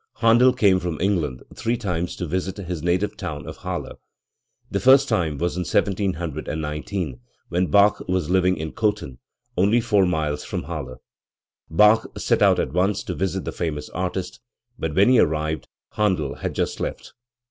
Handel came from England three times to visit his native town of Halle. The first time was in 1719, when Bach was living in Cothen, only four miles from Halle. Bach set out at once to visit the famous artist; but when he arrived Handel had just left.